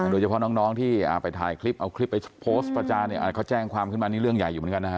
โดยเฉพาะน้องที่ไปถ่ายคลิปเอาคลิปไปโพสต์ประจานเขาแจ้งความขึ้นมานี่เรื่องใหญ่อยู่เหมือนกันนะฮะ